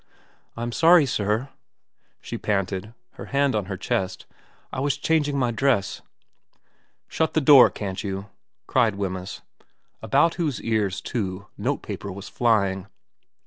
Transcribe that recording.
4 I'm sorry, sir,' she panted, her hand on her chest, * I was changing my dress '' Shut the door, can't you ?' cried Wemyss, about whose ears, too, notepaper was flying.